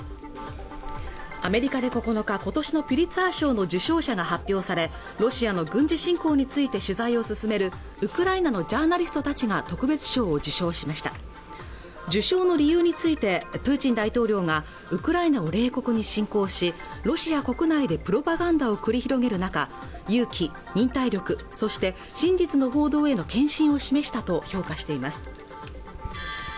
アメリカで９日今年のピュリツァー賞の受賞者が発表されロシアの軍事侵攻について取材を進めるウクライナのジャーナリストたちが特別賞を受賞しました受賞の理由についてプーチン大統領がウクライナを冷酷に侵攻しロシア国内でプロパガンダを繰り広げる中勇気忍耐力そして真実の報道への献身を示したと評価しています